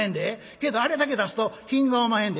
けどあれだけ出すと品がおまへんで」。